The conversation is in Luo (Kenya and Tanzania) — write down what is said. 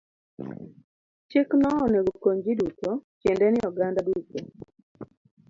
Chikno onego okony ji duto, tiende ni oganda duto.